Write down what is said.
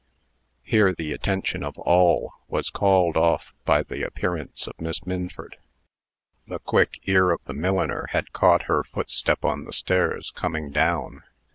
Here the attention of all was called off by the appearance of Miss Minford. The quick ear of the milliner had caught her footstep on the stairs, coming down.